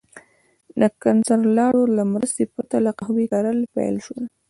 د کنسولاډو له مرستې پرته د قهوې کرل پیل شول.